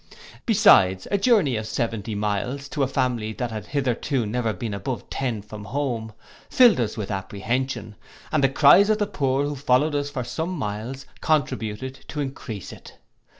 Besides, a journey of seventy miles to a family that had hitherto never been above ten from home, filled us with apprehension, and the cries of the poor, who followed us for some miles, contributed to encrease it.